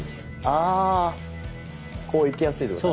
あこう行きやすいってこと？